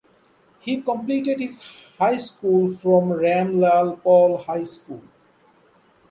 He completed his high school from Ram Lal Paul High School.